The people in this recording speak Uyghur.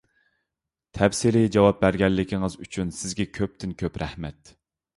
تەپسىلىي جاۋاب بەرگەنلىكىڭىز ئۈچۈن سىزگە كۆپتىن-كۆپ رەھمەت!